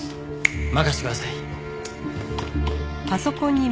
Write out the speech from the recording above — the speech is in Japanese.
任せてください。